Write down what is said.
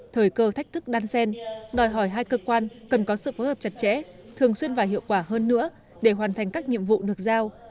thời cơ thách thức đan sen đòi hỏi hai cơ quan cần có sự phối hợp chặt chẽ thường xuyên và hiệu quả hơn nữa để hoàn thành các nhiệm vụ được giao